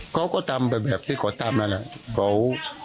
เขาก็ทำไปแบบที่ก่อนตามแล้ว